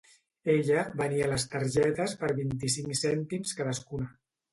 Ella venia les targetes per vint-i-cinc cèntims cadascuna.